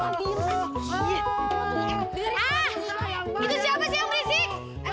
itu siapa sih yang berisik